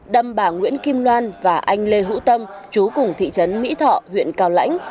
đâm bà nguyễn kim loan và anh lê hữu tâm chú cùng thị trấn mỹ thọ huyện cao lãnh